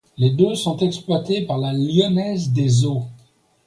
Les deux sont exploitéese par la Lyonnaise des Eaux.